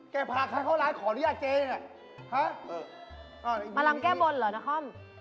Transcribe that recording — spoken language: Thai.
เก้าพาใครเข้าร้านขออนุญาตเจ๊ง่ะฮะมาลำแก้บ้นเหรอณคร่อม